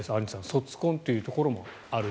卒婚というところもあると。